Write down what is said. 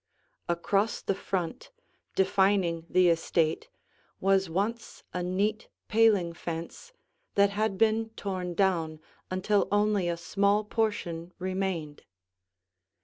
Across the front, defining the estate, was once a neat paling fence that had been torn down until only a small portion remained.